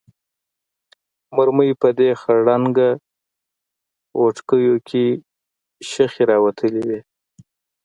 مرمۍ په دې خړ رنګه غوټکیو کې شخې راوتلې وې.